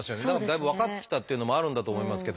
だいぶ分かってきたっていうのもあるんだと思いますけど。